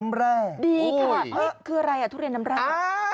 น้ำแร่ดีค่ะเฮ้ยคืออะไรอ่ะทุเรียนน้ำแร่อ่า